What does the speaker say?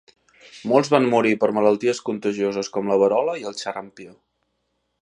Molts van morir per malalties contagioses com la verola i el xarampió.